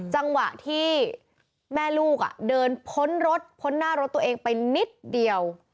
จังหวะที่แม่ลูกเดินพ้นรถพ้นหน้ารถตัวเองไปนิดเดียว